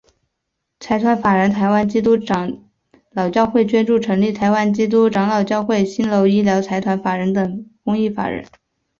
财团法人台湾基督长老教会捐助成立台湾基督长老教会新楼医疗财团法人等公益法人。